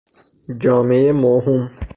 جامعهُ موهوم